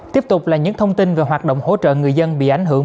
tiếp tục là những thông tin về hoạt động hỗ trợ người dân bị ảnh hưởng